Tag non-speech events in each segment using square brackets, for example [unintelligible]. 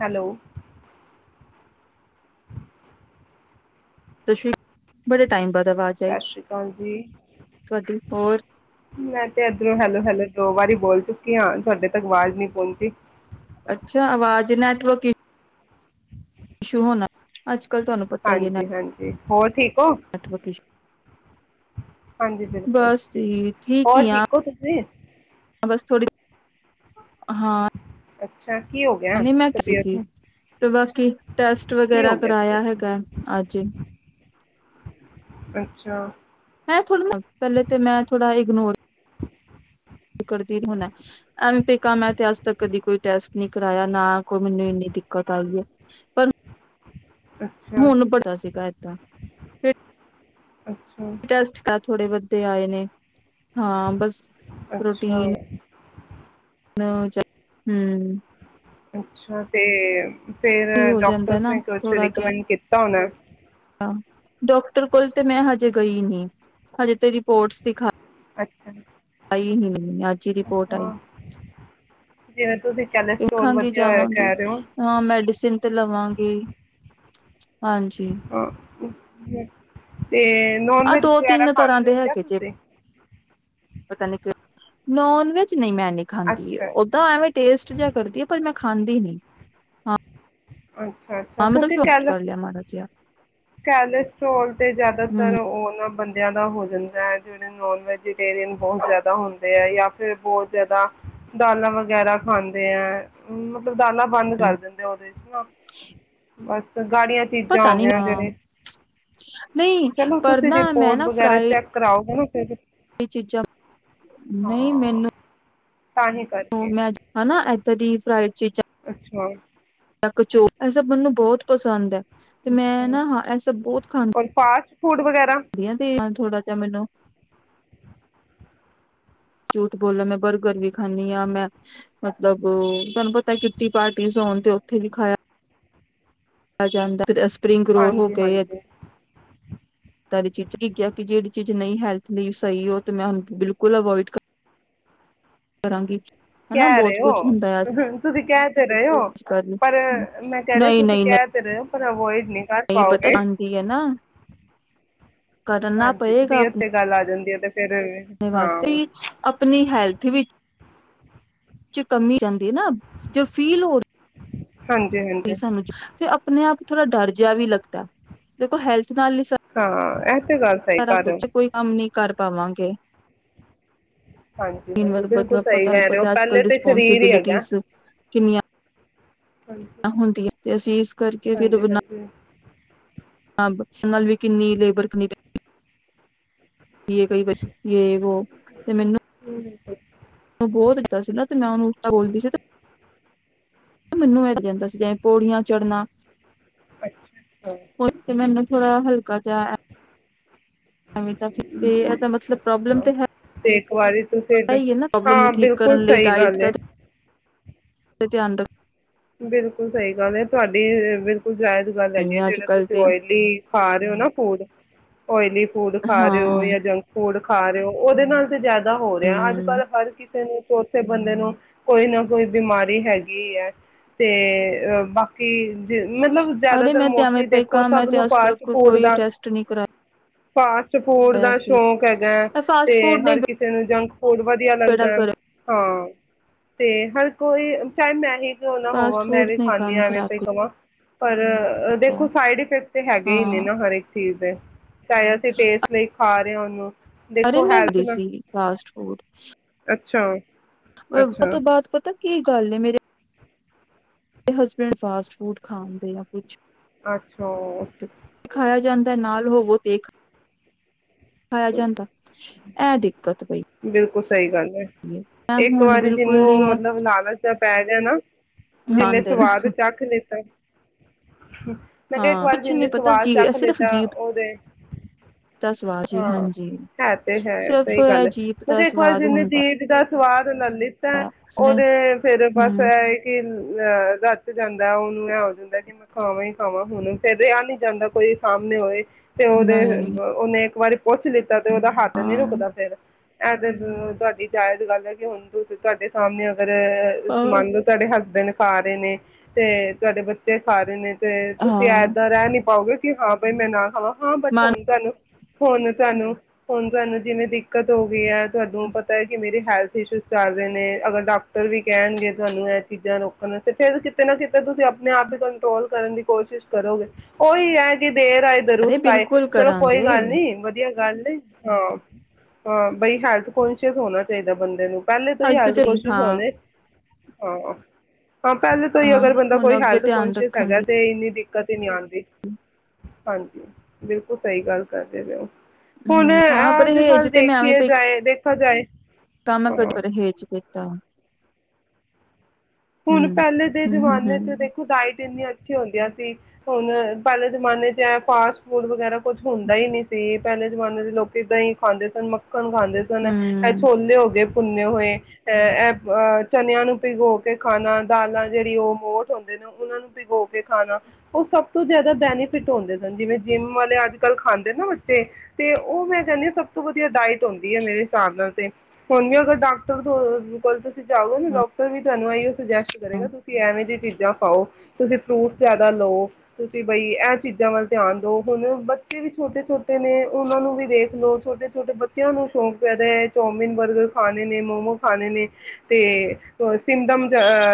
Hello. ਤੁਸ਼ੀ- ਬੜੇ time ਬਾਅਦ- ਆਵਾਜ਼ ਆਈ ਸਤ ਸ੍ਰੀ ਕਾਲ ਜੀ। ਤੁਹਾਡੀ ਹੋਰ ਮੈਂ ਤੇ ਇਧਰੋਂ ਹੈਲੋ ਹੈਲੋ- ਦੋ ਵਾਰੀ ਬੋਲ ਚੁੱਕੀ ਹਾਂ। ਤੁਹਾਡੇ ਤੱਕ ਆਵਾਜ਼ ਨਹੀਂ ਪਹੁੰਚੀ। ਅੱਛਾ, ਆਵਾਜ਼ ਨੈਟਵਰਕ ਈ- [unintelligible] ਪਤਾ ਹੀ ਹੈ ਹਾਂਜੀ- ਹਾਂਜੀ ਹੋਰ ਠੀਕ ਹੋ। ਨੈਟਵਰਕ ਇਸ਼ੂ ਹਾਂਜੀ ਬਿਲਕੁਲ ਬਸ ਜੀ, ਠੀਕ ਹੋਰ ਈ ਆਂ। [inaudible] ਬਸ ਥੋੜੀ- ਹਾਂ। [inaudible] ਗਿਆ ਹਾਂ ਨਹੀ ਮੈਂ ਘਰੇ ਤਬੀਅਤ ਸੀ, ਨੂੰ ਤੇ ਬਾਕੀ ਟੈਸਟ ਕੀ ਵਗੈਰਾ ਹੋ ਗਿਆ ਕਰਾਇਆ ਤਬੀਅਤ ਹੈਗਾ ਅੱਜ। ਅੱਛਾ। ਏ ਥੋੜ੍ਹੀ ਨਾ -ਪਹਿਲੇ ਤੇ ਮੈਂ ਥੋੜ੍ਹਾ ਇਗਨੋਰ- ਖਰੇ ਕਿ ਹੋਣਾ ਐਵੇ ਪਈ ਕਵਾਂ ਮੈਂ ਤੇ ਅੱਜ ਤੱਕ ਕਦੀ ਕੋਈ ਟੈਸਟ ਨੀ ਕਰਾਇਆ। ਨਾ ਕੋਈ ਮੈਨੂੰ ਇੰਨੀ ਦਿੱਕਤ ਆਈ ਹੈ। ਪਰ ਅੱਛਾ ਹੁਣ ਬੜਾ ਸੀਗਾ ਏਦਾਂ। [inaudible] ਅੱਛਾ ਟੈਸਟ ਆ ਥੋੜੇ ਬੋਹਤ ਤੇ ਆਏ ਨੇ। ਹਾਂ ਬਸ, ਅੱਛਾ ਪ੍ਰੋਟੀਨ- ਹੂੰਅ ਅੱਛਾ-ਤੇ ਫੇਰ ਠੀਕ ਹੋ ਜਾਂਦਾ ਡਾਕਟਰਸ ਨਾ ਨੇ ਕੁਛ ਥੋੜਾ ਜਿਹਾ ਰਿਕਮੈਂਡ ਕੀਤ- [unintelligible] ਡਾਕਟਰ ਕੋਲ ਤੇ ਮੈਂ ਹਜੇ ਗਈ ਨੀ। ਹਜੇ ਤੇ ਰਿਪੋਰਟਸ ਦਿਖਾ- [inaudible] ਆਈ ਹੀ ਨੀ, ਅੱਜ ਹੀ ਰਿਪੋਰਟ ਆਈ। ਅੱਛਾ [inaudible] ਕੈਲਸਟ੍ਰੋਲ ਦੇਖਾਂਗੀ ਵਧਿਆ ਹੋਇਆ ਜਾਵਾਂਗੀ ਕਹਿ ਰਹੇ ਹੋ ਹਾਂ ਮੈਡੀਸਿਨ ਤੇ ਲਵਾਂਗੀ ਹਾਂਜੀ ਹੂ ਤੇ ਨੋਨ ਆਹ ਵੈਜ ਦੋ ਵਗੈਰਾ ਤਿੰਨ ਤਰ੍ਹਾਂ ਖਾਂਦੇ ਹੋ ਦੇ ਕਯਾ ਹੈਗੇ ਜੇ ਤੁਸੀਂ ਪਤਾ ਨੀ ਕਿ ਨੋਨ ਵੈਜ ਨਹੀਂ ਮੈ ਨੀ ਖਾਂਦੀ ਅੱਛਾ ਓਦਾਂ ਐਵੇਂ ਟੇਸਟ ਜਿ ਕਰਦੀ ਆ ਪਰ ਮੈਂ ਖਾਂਦੀ ਨੀ ਹਾਂ ਅੱਛਾ ਅੱਛਾ ਹਾਂ ਮਤਲਬ ਕਿਉਂਕਿ ਟੇਸਟ ਕੈਲ ਕਰ ਲਿਆ ਮਾੜਾ ਜਿਹਾ ਕੈਲੇਸਟਰੋਲ ਤੇ ਹੂੰ ਜਿਆਦਾਤਰ ਉਹ ਨਾ ਬੰਦਿਆਂ ਦਾ ਹੋ ਜਾਂਦਾ ਏ ਜਿਹੜੇ ਨੋਨ ਵੈਜੀਟੇਰੀਅਨ ਬੋਤ ਜ਼ਿਆਦਾ ਹੁੰਦੇ ਏ ਜਾਂ ਫਿਰ ਬੋਤ ਜਿਆਦਾ ਦਾਲਾਂ ਵਗੈਰਾ ਖਾਂਦੇ ਏ। ਦਾਲਾਂ ਬੰਦ ਕਰ ਦਿੰਦੇ ਆਂ ਉਹਦੇ ਚ ਨਾ ਬਸ। ਗਾੜੀਆਂ ਚੀਜ਼ਾਂ ਪਤਾ ਹੋ ਨੀ ਗਿਆਂ ਜਿਹੜੇ [unintelligible] ਨਹੀਂ ਚਲੋ ਪਰ ਤੁਸੀਂ ਨਾ ਮੈਂ ਰਿਪੋਰਟ ਨਾ ਵਗੈਰਾ ਫਰਾਈ [unintelligible] ਚੀਜ਼ਾਂ ਨਹੀਂ ਹਾਂ ਮੈਨੂੰ ਤਾਂ ਹੀ ਕਰਕੇ [unintelligible] ਮੈਂ ਹੇਨਾ ਇਹ ਦਾ ਡੀਪ ਫਰਾਈਡ ਚੀਜ਼ਾਂ ਅੱਛਾ। ਕਚੋ ਇਹ ਸਭ ਮੈਨੂੰ ਬੋਤ ਪਸੰਦ ਏ। ਤੇ ਮੈਂ ਅੱਛਾ ਨਾ ਹਾਂ ਇਹ ਸਬ ਬੋਤ ਖਾਨ ਔਰ ਫਾਸਟ ਫੂਡ ਵਗੈਰਾ ਧਆ ਤੇ ਏ ਥੋੜਾ ਚਮੈਨੂੰ। ਝੂਠ ਬੋਲਾ ਮੈਂ ਬਰਗਰ ਵੀ ਖਾਂਨੀ ਆਂ। ਮੈਂ ਮਤਲਬ ਤੁਹਾਨੂੰ ਪਤਾ ਕਿਟੀ ਪਾਰਟੀਸ ਹੋਨ ਤੇ ਉੱਥੇ ਵੀ ਖਾਇਆ ਆ ਜਾਂਦਾ ਫੇਰ ਏਸ ਪਰਿੰਗ ਰੋਲ ਹੋ ਹਾਂਜੀ ਗਏ ਏਹ ਹਾਂਜੀ ਚੀਜਾਂ ਕੀ ਕਿਹਾ ਕਿ ਜਿੜੀ ਚੀਜ਼ ਨਹੀਂ ਹੈਲ ਨਈ ਸਹੀ ਓ ਤੇ ਮੈਂ ਬਿਲਕੁਲ ਅਵੋਇਡ ਕਰ ਕਰਾਂਗੀ। ਹਨਾ ਕੇਹ ਬਹੁਤ ਰੇ ਕੁਛ ਓ, ਹੁੰਦਾ ਹੈ ਤੁਸੀ ਕੇਹ ਤੇ ਰੇ ਓ ਅੱਜ ਕੱਲ ਪਰ ਮੈਂ ਕਹਿ ਰੀ ਆਂ ਤੁਸੀਂ ਕਹਿ ਤੇ ਰੇ ਓ ਪਰ ਅਵੋਇਡ ਨਹੀਂ ਕਰ ਨਈ ਪਤਾ। ਪਾਓਗੇ ਹਾਂਜੀ ਤਬੀਅਤ 'ਤੇ ਗੱਲ ਆ ਜਾਂਦੀ ਹੈ ਅਤੇ ਫਿਰ ਪਨੇ ਵਾਸਤੇ ਹਾਂ ਈ ਆਪਣੀ ਹੈਲਪ ਥੀ ਵੀ ਕਮੀ ਜਾਂਦੀ ਏ ਨਾ ਜੇ ਫੀਲ ਹੋ ਹਾਂਜੀ ਹਾਂਜੀ ਸਾਨੂੰ ਜੋ ਤੇ ਆਪਣੇ ਆਪ ਥੋੜ੍ਹਾ ਡਰ ਜਿਹਾ ਵੀ ਲੱਗਦਾ, ਦੇਖੋ ਹੈਲਥ ਨਾਲ ਈ ਸਾ ਆਂ ਏਹ ਤੇ ਤੇ ਗੱਲ ਸਹੀ ਕਰ ਰੇ ਓ। ਨਹੀਂ ਕਰ ਪਾਵਾਂਗੇ। ਹਾਂਜੀ, ਹਾਂਜੀ, ਬਿਲਕੁਲ ਮਤਲਬ ਸਹੀ ਤੁਹਾਨੂੰ ਕਹਿ ਰੇ ਓ, ਪਤਾ ਅੱਜ ਪਹਿਲੇ ਕੱਲ ਤੇ ਸਰੀਰ ਈ ਹੈਗਾ। ਰਿਸਪੋਂਸੀਬਿਲਿਟੀਜ਼ ਕਿੰਨੀਆਂ ਹੁੰਦੀਆਂ। ਤੇ ਅਸੀਸ ਹਾਂਜੀ-ਹਾਂਜੀ, ਹਾਂ ਬੱਚਿਆਂ ਨਾਲ ਵੀ ਕਿੰਨੀ ਲੇਬਰ ਕਿੰਨੀ ਜੇ ਕਈ ਜੇ ਵੋ ਤੇ ਮੈਨੂੰ, ਹ ਬਹੁਤ ਇੱਦਾਂ ਸੀ, ਨਾ ਤੇ ਮੈਂ ਉਹਨੂੰ ਔ ਬੋਲਦੀ ਸੀ ਮੈਨੂੰ ਐ ਜਾਂਦਾ ਸੀ ਜਿਵੇਂ ਪੌੜੀਆਂ ਚੜ੍ਹਨਾ। ਅੱਛਾ ਅੱਛਾ ਤੇ ਮੈਨੂੰ ਥੋੜਾ ਹਲਕਾ ਜਾ ਇਹਦਾ, ਮਤਲਬ ਪ੍ਰੋਬਲਮ ਤੇ ਤੇ ਇੱਕ ਵਾਰੀ ਤੁਸੀਂ ਹੀ ਹੈ ਨਾ ਪ੍ਰੋਬਲਮ ਹਾਂ, ਬਿਲਕੁਲ ਸਹੀ ਗੱਲ ਐ। ਤੇ ਧਿਆਨ ਰੱਖ ਬਿਲਕੁਲ ਸਹੀ ਗੱਲ ਹੈ, ਤੁਹਾਡੀ ਬਿਲਕੁਲ ਜਾਇਜ ਗੱਲ ਹੈਗੀ ਹੈ, ਰੱਖਣਾ ਅੱਜ ਜਿਹੜਾ ਕੱਲ ਤੁਸੀਂ ਤੇ ਆਇਲੀ ਖਾ ਰਹੇ ਹੋ ਨਾ ਫੂਡ। ਔਇਲੀ, ਫੂਡ ਖਾ ਰਹੇ ਹੋ ਹਾਂ ਜਾਂ, ਜੰਕ ਫੂਡ ਖਾ ਰਹੇ ਹੋ ਉਹਦੇ ਨਾਲ ਤੇ ਜ਼ਿਆਦਾ, ਹੋ ਰਿਹਾ ਅੱਜ ਹਮ ਕੱਲ ਹਰ ਕਿਸੇ ਨੂੰ ਉੱਸੇ ਬੰਦੇ ਨੂੰ ਕੋਈ ਨਾ ਕੋਈ ਬਿਮਾਰੀ ਹੈਗੀ ਹੈ। ਤੇ ਬਾਕੀ, ਮਤਲਬ ਅਰੇ ਜ਼ਿਆਦਾਤਰ ਮੈਂ ਤੇ ਐਵੇਂ ਮੋਸਟਲੀ ਪਈ ਕ ਦੇਖੋ,, ਮੈਂ ਸਭ ਤੇ ਨੂੰ ਅੱਜ ਫਾਸਟ ਤੱਕ ਫੂਡ ਕੋਈ ਦਾ, ਟੈਸਟ ਨਹੀਂ ਫਾਸਟ ਫੂਡ ਦਾ ਕਰਾਇਆ ਸੀ ਸ਼ੌਂਕ ਹੈਗਾ ਹੈ, ਫਾਸਟ ਤੇ ਫੂਡ ਨੇ ਹਰ ਕਿਸੇ ਨੂੰ ਜੰਕ ਹੋਰ ਵਧੀਆ ਬੇੜਾ ਲੱਗਦਾ ਗਰਕ ਹਾਂ। ਤੇ ਹਰ ਕੋਈ ਚਾਹੇ ਮੈਂ ਹੀ ਹੋਵਾਂ ਫਾਸਟ ਮੈਂ ਫੂਡ ਵੀ ਨੇ ਖਾਂਦੀ ਕੰਮ ਐਵੇਂ ਖ਼ਰਾਬ ਪਈ ਕਵਾਂ। ਪਰ, ਕੀਤਾ ਦੇਖੋ, ਸਾਈਡ ਇਫੈਕਟ ਤੇ ਹੈਗੇ ਹੀ ਨੇ ਹਾਂ ਨਾ ਹਰ ਇੱਕ ਚੀਜ਼ ਦੇ। ਚਾਹੇ ਅਸੀਂ ਟੇਸਟ ਲਈ, ਖਾ ਰਿਹੇ ਉਹਨੂੰ ਦੇਖੋ ਹੈਲਥ [unintelligible] ਨਾਲ ਸੀ ਫਾਸਟ ਫੂਡ, ਅੱਛਾ, ਅੱਛਾ ਉਹਤੋ ਬਾਅਦ ਪਤਾ ਕੀ ਗੱਲ ਨੇ ਮੇਰੇ ਹਸਬੈਂਡ ਫਾਸਟ ਫੂਡ ਖਾਦੇ ਕੁਛ ਅੱਛਾ ਖਾਇਆ ਜਾਂਦਾ ਨਾਲ ਰੋਵੋ ਦੇਖ। ਦਿੱਕਤ ਪਈ ਬਿਲਕੁਲ ਸਹੀ ਗੱਲ ਹੈ, ਮੈਂ ਇੱਕ ਹੁਣ ਵਾਰੀ ਬਿਲਕੁਲ ਹੀ ਜਿਹਨੂੰ ਉਹ ਮਤਲਬ ਲਾਲਚ ਪੈ ਜਾਏ ਨਾ ਜਿੰਨੇ ਖਾਂਦੇ ਨਾ ਸਵਾਦ ਚੱਖ ਲਿੱਤਾ, ਮੈਂ ਕਿਹਾ ਇੱਕ ਹਾਂ ਵਾਰ ਕੁਛ ਨੀ ਜਿੰਨੇ ਪਤਾ ਸਵਾਦ ਜੀ ਚੱਖ ਸਿਰਫ ਲਿੱਤਾ ਜੀਭ ਉਹਦੇ ਦਾ ਸਵਾਦ ਜੀ ਹਾਂ। ਹਾਂਜੀ। ਏ ਤੇ ਹੈ ਸਿਰਫ ਸਹੀ ਗੱਲ ਇਹ ਹੈ। ਜੀਭ ਦਾ ਮਤਲਬ ਇੱਕ ਵਾਰ ਸਵਾਦ ਜਿਨੇ ਹੁੰਦਾ ਜੀਬ ਦਾ ਸਵਾਦ ਨਾਲ ਲਿੱਤਾ ਹੈ। ਉਹਦੇ ਫੇਰ ਬਸ ਹਮ ਇਹ ਕਿ ਅਹੇ ਰਚ ਜਾਂਦਾ, ਉਹਨੂੰ ਇਹ ਹੋ ਜਾਂਦਾ ਕਿ ਮੈਂ ਖਾਵਾਂ ਹੀ ਖਾਵਾਂ ਹੁਣ ਤਾ ਰਿਹਾ ਨੀ ਜਾਂਦਾ, ਕੋਈ ਸਾਲ ਹੀ ਹੋਏ ਤੇ ਉਹਦੇ ਨਹੀਂ ਉਹਨੇ ਇਕ ਵਾਰੀ ਪੁੱਛ ਲਿੱਤਾ ਤੇ ਉਹਦਾ ਹੱਥ ਨਹੀਂ ਹਾਂ ਰੁਕਦਾ ਫਿਰ ਐ ਤੇ ਤੁਹਾਡੀ ਜਾਇਜ਼ ਗੱਲ ਹੈ, ਕਿ ਹੁਣ ਤੁਹਾਡੇ ਸਾਹਮਣੇ ਤੇ ਫਿਰ ਇਸ ਮਾਮਲੇ ਤੁਹਾਡੇ ਹੈਸਂਬਡ ਖਾ ਰਿਹੀ ਏ, ਤੇ ਤੁਹਾਡੇ ਬੱਚੇ ਖਾ ਰਿਹੀ ਏ ਤੇ, ਤੁਸੀਂ ਹਾਂ ਏਦਾ ਰਹਿ ਨਹੀ ਪਾਓਗੇ ਕਿ, ਹਾ ਬਾਈ ਮੈਂ ਨਾ ਖਾਵਾਂ ਹਾਂ, ਬਟ ਮਨ ਹੁਣ ਕਹਿ ਲਓ ਹੁਣ ਤੈਨੰ ਹੁਣ ਤੁਹਾਨੂੰ ਜਿਵੇਂ ਦਿੱਕਤ ਹੋ ਗਈ ਹੈ। ਤੁਹਾਨੂੰ ਪਤਾ ਹੈ ਕਿ ਮੇਰੇ ਹੈਲਥ ਇਸ਼ੂ ਚੱਲ ਰਹੇ ਨੇ, ਅਗਰ ਡਾਕਟਰ ਵੀ ਕਹਿਣਗੇ ਤੁਹਾਨੂੰ ਇਹ ਚੀਜ਼ਾਂ ਰੋਕਣ ਤੇ ਫਿਰ ਕਿਤੇ ਨਾ ਕਿਤੇ ਤੁਸੀਂ ਆਪਣੇ ਆਪ ਤੇ ਕੰਟਰੋਲ ਕਰਨ ਦੀ ਕੋਸ਼ਿਸ਼ ਕਰੋਗੇ ਉਹੀ ਹੈ। ਕਿ ਦੇਰ ਆਏ, ਅਰੇ ਦਰੁਸਤ ਆਏ, ਬਿਲਕੁਲ ਚਲੋ ਕੋਈ ਕਰਾਂਗੇ ਗੱਲ ਨੀ ਵਧੀਆ ਗੱਲ ਏ ਹਾਂ ਬਈ ਹੈਲਥ ਕੋਨਸ਼ੀਅਸ ਹੋਣਾ ਚਾਹੀਦਾ ਬੰਦੇ ਨੂੰ ਪਹਿਲੇ ਤੋਂ ਹੀ ਹਜ ਤਾਂ ਹੈਲਥ ਚਲੀ ਕੋਸ਼ਿਸ਼ ਹਾਂ ਹੋਵੇ ਆਹ ਹਾਂ, ਪਹਿਲੇ ਤੋਂ ਹੀ ਹਾਂ ਅਗਰ ਬੰਦਾ ਹੁਣ ਕੋਈ ਅੱਗੇ ਹੈਲਥ ਧਿਆਨ ਕੋਂਸ਼ੀਅਸ ਹੈਗਾ ਰੱਖਾਂਗੀ ਤੇ ਇੰਨੀ ਕਦੇ ਨ ਆਂ [unintelligible] ਹਾਂਜੀ ਬਿਲਕੁਲ ਸਹੀ ਗੱਲ ਕਰਦੇ ਜਾਓ ਹੁਣ ਹਮ ਹਾਂ ਅੱਜ ਕੱਲ ਪਰਹੇਜ ਤੇ ਮੈਂ ਐਵੇਂ ਦੇਖੀਏ ਪਈ ਜਾਏ ਦੇਖਾ ਜਾਏ ਹ ਹੂੰ ਹੁਣ ਪਹਿਲੇ ਦੇ ਜਮਾਨੇ ਚ ਹਮ ਦੇਖੋ, ਡਾਇਟ ਇੰਨੀਆਂ ਹੁੰਦੀਆਂ ਸੀ, ਹੁਣ ਪਹਿਲੇ ਜ਼ਮਾਨੇ ਚ ਫਾਸਟ ਫੂਡ, ਵਗੈਰਾ ਕੁੱਝ ਹੁੰਦਾ ਹੀ ਨਹੀਂ ਸੀ, ਪਹਿਲੇ ਜ਼ਮਾਨੇ ਚ ਲੋਕ ਇੱਦਾਂ ਹੀ ਖਾਂਦੇ ਸਨ ਚਿਕਣ ਖਾਂਦੇ ਸਨ, ਹਮ ਛੋਲੇ ਹੋ ਗਏ ਭੁੰਨੇ ਹੋਏ ਅਹ ਇਹ ਅਹ ਚੰਨਿਆਂ ਨੂੰ ਭਿਗੋ ਕੇ ਖਾਣਾ ਦਾਲਾਂ ਜਿਹੜੀ ਉਹ ਮੋਠ ਹੁੰਦੇ ਨੇ, ਉਹਨਾਂ ਨੂੰ ਭਿਗੋ ਕੇ ਖਾਣਾ ਉਹ ਸਭ ਤੋਂ ਜ਼ਿਆਦਾ ਬੈਨੀਫਿਟ ਹੁੰਦੇ ਸਨ, ਜਿਵੇਂ ਜਿੰਮ ਵਾਲੇ ਅੱਜ ਕੱਲ੍ਹ ਖਾਂਦੇ ਨਾ ਬੱਚੇ ਤੇ ਉਹ ਮੈਂ ਕਹਿੰਦੀ ਹਾਂ, ਸਭ ਤੋਂ ਵਧੀਆ ਡਾਇਟ ਹੁੰਦੀ ਹੈ, ਮੇਰੇ ਹਿਸਾਬ ਨਾਲ ਤੇ ਹੁਣ ਵੀ ਅਗਰ ਡਾਕਟਰ ਕੋਲ ਜਾਉ ਨਾ ਡਾਕਟਰ ਵੀ ਤੁਹਾਨੂੰ ਸੁਜੈਸਟ ਕਰੇਗਾ, ਤੁਸੀਂ ਐਵੇਂ ਜਿਹੀ ਚੀਜ਼ਾਂ ਖਾਓ, ਤੁਸੀਂ ਫਰੂਟਸ ਜਿਆਦਾ ਲਉ ਤੁਸੀਂ ਬਈ ਇਹ ਚੀਜ਼ਾਂ ਵੱਲ ਧਿਆਨ ਦਉ ਹੁਣ ਬੱਚੇ ਵੀ ਛੋਟੇ ਛੋਟੇ ਨੇ ਉਹਨਾਂ ਨੂੰ ਵੀ ਦੇਖ ਲੋ ਛੋਟੇ ਛੋਟੇ ਬੱਚਿਆਂ ਨੂੰ ਸ਼ੌਂਕ ਪੈਦਾ ਹੈ, ਚੌਮਿਨ, ਬਰਗਰ ਖਾਣੇ ਨੇ ਮੋਮੋ ਖਾਣੇ ਨੇ ਤੇ ਸਿਮਡਮਹ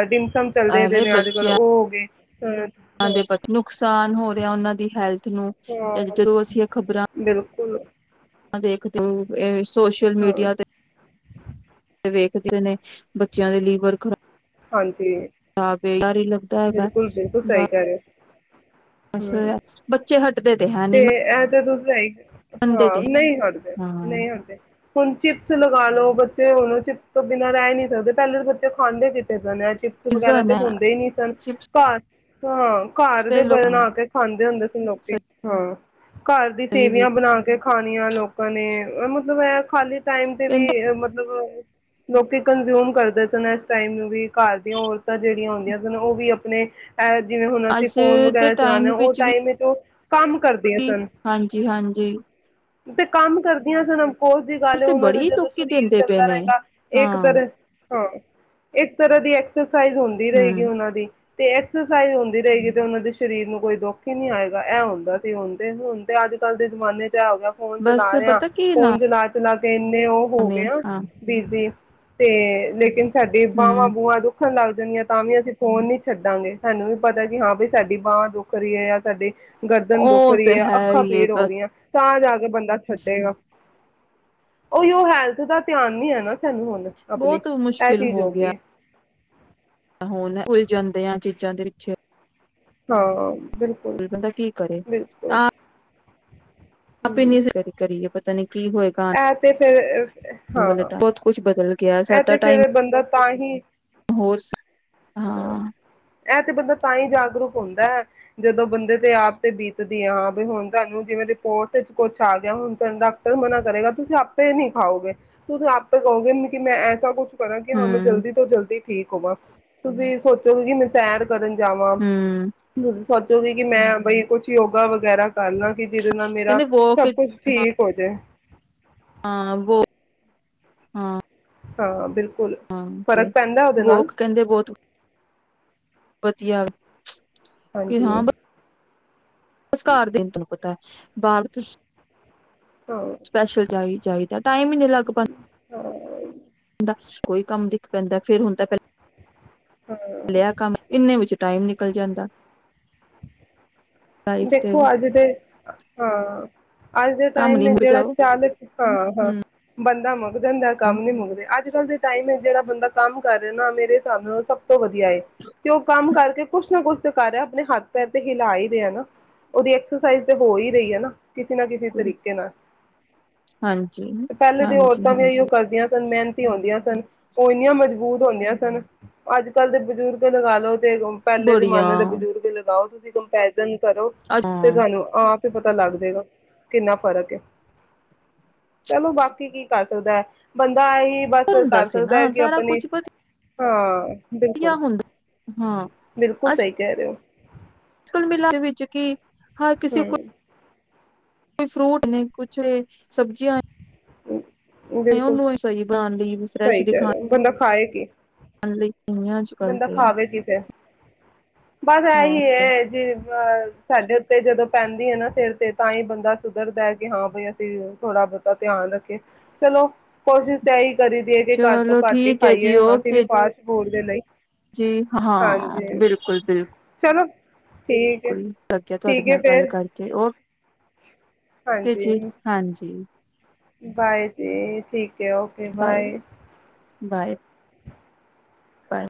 ਡਿਮਸਮ ਚੱਲਦੇ ਨੇ ਅੱਜ ਕੱਲ੍ਹ ਉਹ ਹੋ ਗਏ। ਹਾਂ ਉਹਨਾ ਦੇ ਬਹੁਤ ਨੁਕਸਾਨ ਹੋ ਰਿਹਾ, ਉਹਨਾਂ ਦੀ ਹੈਲਥ ਨੂੰ ਹਾਂ ਜਾਂ ਜਦੋਂ ਅਸੀਂ ਖ਼ਬਰਾਂ ਬਿਲਕੁਲ [unintelligible] ਤੂਥਪੇਸਟ ਸੋਸ਼ਲ ਹਾਂ ਮੀਡੀਆ ਤੇ ਵੇਖਦੀਆਂ ਨੇ ਬੱਚਿਆਂ ਦੇ ਲੀਵਰ ਖਰਾ ਹਾਂਜੀ ਖਰਾਬ ਲੱਗਦਾ ਹੈਗਾ ਬਿਲਕੁਲ ਬਿਲਕੁਲ ਸਹੀ ਕਹਿ ਰਹੇ ਹੋ ਅੱਛਾ ਹੂੰ ਬੱਚੇ ਹਟਦੇ ਹੈ ਨੀ ਤੇ ਐ ਜਦੋ [unintelligible] ਮੰਨਦੇ ਹਾਂ, ਤੇ ਨਹੀਂ ਹਟਦੇ, ਹਾਂ ਨਹੀਂ ਹਟਦੇ ਹੁਣ ਚਿਪਸ ਲਗਾ ਲਉ, ਬੱਚੇ ਹੁਣ ਚਿਪਸ ਤੋਂ ਬਿਨਾਂ ਰਹਿ ਨਹੀਂ ਸਕਦੇ, ਪਹਿਲੇ ਤਾਂ ਬੱਚੇ ਖਾਂਦੇ ਕਿੱਥੇ ਚਿਪਸ ਪੀਜ਼ਾ ਵਗੈਰਾ ਤੇ ਨਾ ਹੁੰਦੇ ਹੀ ਨੀ ਸਨ ਚਿਪਸ ਘਰ। [unintelligible] ਘਰ ਦੇ ਤੇ ਲੋਕ ਬਣਾ ਕੇ ਖਾਂਦੇ ਹੁੰਦੇ ਸਨ। [unintelligible] ਹਾਂ। ਘਰ ਦੀ ਸਹੀ ਵੀ ਸੇਵੀਆਂ ਬਣਾ ਕੇ ਖਾਣ ਕਇਆ ਲੋਕਾਂ ਨੇ ਮਤਲਬ ਇਹ ਖਾਲੀ ਟਾਈਮ ਤੇ ਕਹਿੰਦੇ ਵੀ ਮਤਲਬ ਲੋਕੀ ਕੰਜ਼ਿਊਮ ਕਰਦੇ ਸਨ, ਇਸ ਟਾਈਮ ਨੂੰ ਵੀ ਘਰ ਦੀਆਂ ਔਰਤਾਂ ਜਿਹੜੀਆਂ ਹੁੰਦੀਆਂ ਸਨ ਉਹ ਵੀ ਆਪਣੇ ਜਿਵੇਂ ਹੁਣ ਅਸੀਂ ਅੱਜ ਫੋਨ ਦੇ ਵਗੈਰਾ ਚਲਾਉਂਦੇ ਟਾਈਮ ਹਾਂ, ਉਹ ਵਿੱਚ ਵੀ ਟਾਈਮ ਚ ਹਾਂਜੀ, ਹਾਂਜੀ। ਤੇ ਕੰਮ ਕਰਦੀਆਂ ਸਨ। ਹੋ ਜ ਇਸ ਗੱਲ ਤੇ ਉਹਨਾਂ ਦਾ ਬੜੀ ਜਦੋਂ ਲੋਕੀ ਸਰੀਰ ਦਿੰਦੇ ਪਏ ਚੱਲਦਾ ਨੇ ਰਹੇਗਾ ਇੱਕ ਹਾਂ ਤ ਹਾਂ ਇੱਕ ਤਰ੍ਹਾਂ ਦੀ ਐਕਸਸ ਸਾਈਜ਼ ਹੁੰਦੀ ਰਹੇਗੀ ਹਮ ਉਹਨਾਂ ਦੀ ਤੇ ਐਕਸਰਸਾਈਜ਼ ਹੁੰਦੀ ਰਹੇਗੀ ਤੇ ਉਹਨਾਂ ਦੇ ਸਰੀਰ ਨੂੰ ਕੋਈ ਦੁੱਖ ਹੀ ਨਹੀਂੀ ਆਏਗਾ ਇਹ ਹੁੰ ਅਸੀਂ ਹੁੰਦੇ ਹੁਣ ਤੇ ਅੱਜ ਕੱਲ ਦੇ ਜ ਜ਼ਮਾਨੇ ਚ ਹੋ ਗਿਆ ਫੋਨ ਬਸ ਚਲਾ ਰਿਹਾ ਪਤਾ ਕੀ ਫੋਨ ਨਾਮ ਚਲਾ ਚਲਾ ਤਿੰਨ ਤੇ ਉਹ ਹੋ ਏ ਗਿਆ ਹਾਂ ਬੀਜੀ ਤੇ ਲੇਕਿਨ ਸਾਡੇ ਬਾਹਵਾਂ ਹਮ ਬੂਆਂ ਦੁੱਖਣ ਲੱਗਦਾ ਜਾਆਂ ਤਾਂ ਵੀ ਅਸੀਂ ਫੋਨ ਨ ਛੱਡਾਂਗੇ ਸਾਨੂੰ ਵੀ ਪਤਾ ਕਿ ਹਾਂ ਵੀ ਸਾਡੀ ਬਾਂਹਾਂ ਦੁੱਖ ਰਹੀ ਹੈ ਜਾਂ ਸਾਡੇ ਗਰਦਨ ਦੁੱਖ ਉਹ ਰਹੀ ਤੇ ਹੈ। ਅੱਖਾਂ ਹੀ ਪੀੜ ਹੋ ਰਹੀਆਂ ਤਾਂ ਜਾ ਕੇ ਬੰਦਾ ਬਸ ਛੱਡੇਗਾ ਉਹੀ ਉਹ ਹੈਲਥ ਦਾ ਧਿਆਨ ਨੀ ਹੈ। ਨਾ ਸਾਨੂੰ ਹੁਣ ਆਪਣੀ ਬਹੁਤ ਇਹ ਮੁਸ਼ਕਿਲ ਚੀਜ਼ ਹੋ ਗਿਆ ਗਈ ਹੈ। ਹੁਣ ਉਲਝਦੇ ਆ ਜ ਬੱਚਾਂ ਦੇ ਪਿੱਛੇ ਹਾਂ ਬਿਲਕੁਲ ਬਦਾ ਕੀ ਕਰੇ ਬਿਲਕੁਲ ਆਪ ਆਪੇ ਹਮ ਨਹੀਂ ਕਰੀਏ ਪਤਾ ਨੀ ਕੀ ਹੋਏਗਾ ਇਹ ਤੇ ਫਿਰ ਵਾਲੇ ਹਾਂ ਬਹੁਤ ਕੁਛ ਬਦਲ ਗਿਆ ਇਹ ਸਾਡਾ ਤੇ ਟਾਈਮ ਫੇਰ ਬੰਦਾ ਤਾਂਹੀਂ ਹੋਰ ਹਾਂ ਇਹ ਤੇ ਬੰਦਾ ਤਾਂ ਹੀ ਜਾਗਰੂਕ ਹੁੰਦਾ ਹੈ ਜਦੋਂ ਬੰਦੇ ਤੇ ਆਪ ਤੇ ਬੀਤਦੀ ਹੈ ਹਾਂ ਬ ਹੁਣ ਤੁਹਾਨੂੰ ਜਿਵੇਂ ਰਿਪੋਰਟ ਚ ਕੁਛ ਆ ਗਿਆ ਹੁਣ ਤੁਾਨੂੰ ਡਾਕਟਰ ਮਨਾ ਕਰੇਗਾ ਤੁਸੀਂ ਆਪੇ ਨੀ ਖਾਓਗੇ ਤੁਸੀਂ ਆਪੇ ਕਹੋਗੇ ਮੈਂ ਐਸਾ ਕੁਛ ਕਰਾਂ ਕਿ ਹੂਨ ਹੂੰ ਜਲਦੀ ਤੋਂ ਜਲਦੀ ਠੀਕ ਹੋਵਾਂ ਤੁਸੀਂ ਸੋਚੋਗੇ ਕਿ ਮੈਂ ਸੈਰ ਕਰਨ ਜਾਵਾਂ ਹੂੰ ਬ ਸੋਚੂਗੀ ਕਿ ਮੈਂ ਬਈ ਕੁਛ ਯੋਗਾ ਵਗੈਰਾ ਕਰਨਾ ਕਿ ਜਿਹਦੇ ਨਾਲ ਮੇਰਾ ਕਹਿੰਦੇ ਵੋਕ ਸਭ ਕੁਛ ਠੀਕ ਹੋ ਜਾਏ ਹਾਂ ਵੋ ਹਾਂ ਹਾਂ ਬਿਲ ਹਾਂ ਤੇ ਲੋਕ ਕਹਿੰਦੇ ਬਹੁਤ ਪਤਆ ਹਾਂ ਜੀ ਸਸਕਾਰ ਦੇਣ ਤਨੂੰ ਪਤਾ ਬਲ ਹਾਂ ਸਪੈਸ਼ਲ ਚਹੀ ਚਾਹੀਦਾ ਟਾਈਮ ਲਗਭਗ ਹਾਂ ਕੋਈ ਕੰਮ ਦਿਖ ਪੈਂਦਾ ਫੇਰ ਹੁਣ ਤਾਂ ਪਹਿਲਾਂ ਹਾਂ ਲਿਆ ਕੰਮ ਇੰਨੇ ਕੁ ਟਾਈਮ ਨਿਕਲ ਜਾਂਦਾ ਲਾਈਫ ਤੇ ਦੇਖੋ ਅੱਜ ਦੇ ਹਾਂ ਅੱਜ ਦੇ ਕੰਮ ਟਾਈਮ ਨੀ ਮੁੱਕ ਜਿਹੜਾ ਜਾਓ ਚਾਲਕ ਹਾਂ ਹਾਂ ਬੰ [unintelligible] ਮੁਗੰ ਦਾ ਕੰਮ ਨੀ ਮੁਗਦੇ ਅੱਜ ਕੱਲ ਦੇ ਟਾਈਮ ਹੈ ਜਿਹੜਾ ਬੰਦਾ ਕੰਮ ਕਰ ਰਿ ਨਾ ਮੇਰੇ ਸਾਨੂੰ ਸਭ ਤੋਂ ਵਧੀਆ ਏ ਤੇ ਉਹ ਕੰਮ ਕਰਕੇ ਕੁਛ ਨਾ ਕੁਛ ਸਰਕਾਰ ਆਪਣੇ ਹੱਥ ਪੈਰ ਤੇ ਹਿਲਾ ਹੀ ਰ ਨਾ ਉਹਦੀ ਐਕਸਰਸਾਈਜ਼ ਤੇ ਹੋ ਹੀ ਰਹੀ ਹੈ ਨਾ ਕਿਸੇ ਨਾ ਕਿਸੇ ਹੂੰ ਤਰੀਕੇ ਨਾਲ ਹਾਂਜੀ, ਤੇ ਪਹਿਲੇ ਦੀ ਹਾਂਜੀ, ਔਰਤਾਂ ਵੀ ਇਹੀਓ ਹਾਂਜੀ ਕਰਦੀਆਂ ਮਿਹਨਤੀ ਹੁੰਦੀਆਂ ਸਨ ਉਹ ਇੰਨੀਆਂ ਮਜ਼ਬੂਤ ਹੁੰਦੀਆਂ ਸਨ ਅੱਜ ਕੱਲ ਦੇ ਬਜ਼ੁਰਗ ਲਗਾ ਲਓ ਪਹਿਲੇ ਬੜੀਆਂ ਜਮਾਨੇ ਦੇ ਬਜ਼ੁਰਗ ਲਗਾਓ ਤੁਸੀਂ ਕੰਪੈਰੀਨ ਕਰੋ ਤੇ ਹਾਂ ਤੁਹਾਨੂੰ ਆਪ ਹੀ ਪਤਾ ਲੱਗ ਜਾਗਾ ਕਿੰਨਾ ਫ਼ਰਕ ਹੈ ਚਲੋ ਬਾਕੀ ਕੀ ਕਰ ਸਕਦਾ ਹੈ ਬੰਦਾ ਦਾ ਹੀ ਬਸ ਹੁੰਦਾ ਕਰ ਸੀ ਸਕਦਾ ਹੈ ਨਾ ਕਿ ਸਾਰਾ ਆਪਣੀ ਕੁਛ ਹਾਂ ਬਿਲਕੁਲ ਵਧੀਆ ਹੁੰਦਾ ਹਾਂ ਬਿਲਕੁਲ ਸਹੀ ਕਹਿ ਰਹੇ ਹੋ ਮੁਕਲ ਮਿਲ ਵਿੱਚ ਕੀ ਹਾਂ ਕਿਸੀ ਕੋ ਹਮ ਕੋਈ ਫਰੂਟ ਨੇ ਕੁਛ ਸਬਜ਼ੀਆਂ [inaudible] ਨੇ ਬਿਲਕੁਲ ਉਹਨੂੰ ਬਣਾਉਣ ਲਈ ਸਹੀ ਗ ਹੈ ਬੰਦਾ ਖਾਏ ਕੀ ਹਾਂਜੀ ਬੰਦਾ ਖਾਵੇ ਕਿਤੇੇ ਬਸ ਹਾਂ ਇਹੀ ਹੈ ਜੀ ਅਹ ਸਾਡੇ ਉੱਤੇ ਜਦੋਂ ਪੈਂਦੀ ਹੈ ਨਾ ਸਿਰ ਤੇ ਤਾਂ ਹੀ ਬੰਦਾ ਸੁਧਰਦਾ ਹੈ ਕਿ ਹਾਂ ਬਈ ਅਸੀਂ ਥੋੜਾ ਬਹੁਤਾ ਧਿਆਨ ਰੱਖੇ ਚਲੋ ਕੋਸ਼ਿਸ਼ ਤੇਹੀ ਕਰ ਦੀਏ ਕਿ ਘੱਟ ਤੋਂ ਚਲੋ ਘੱਟ ਹੀ ਠੀਕ ਹੈ ਜੀ ਖਾਈਏ ਅਸੀਂ ਵੀ ਓਕੇ ਫਾਸਟ ਫੂਡ ਲਈ ਜੀ ਹਾਂ ਹਾਂਜੀ ਬਿਲਕੁਲ ਬਿਲਕੁਲ ਚਲੋ ਠੀਕ ਹੈ ਕੋਈ ਲੱਗਿਆ ਤੁਹਾਡੇ ਠੀਕ ਹੈ ਨਾਲ ਗੱਲ ਫਿਰ ਕਰਕੇ ਉਹ ਤੇ ਹਾਂਜੀ ਜੀ ਹਾਂਜੀ ਬਾਏ ਜੀ take okay okay bye, bye bye,